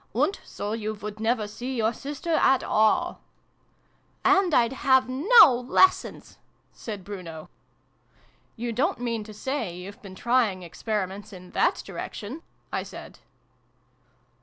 " And so you would never see your sister at all /" "And I'd have no lessons" said Bruno. " You don't mean to say you've been trying experiments in that direction !" I said.